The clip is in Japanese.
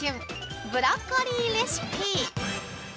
ブロッコリーレシピ。